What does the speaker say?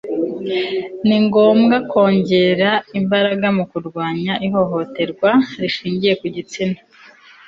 ni ngombwa kongera imbaraga mu kurwanya ihohoterwa rishingiye ku gitsina